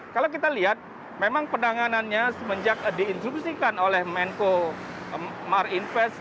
kalau kita lihat memang penanganannya semenjak diinstruksikan oleh menko marinvest